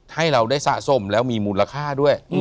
ให้เราได้สะสมแล้วมีมูลค่าด้วย